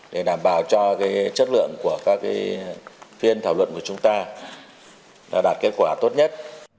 để đảm bảo cho chất lượng của các phiên thảo luận của chúng ta đạt kết quả tốt nhất